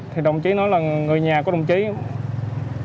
thì đồng chí nói là người nhà của đồng chí không